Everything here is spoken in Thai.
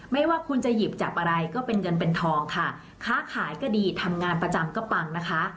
ไม่ว่าคุณจะหยิบจากอะไรก็เป็นเงินเป็นทองค่ะค้าขายก็ดีทำงานประจำก็ปังนะคะ